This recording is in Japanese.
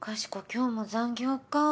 今日も残業か。